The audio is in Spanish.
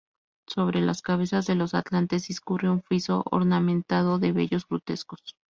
Sobre las cabezas de los atlantes discurre un friso ornamentado de bellos grutescos.